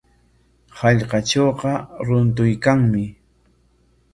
Hallqatrawqa runtuykanmi.